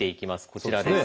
こちらです。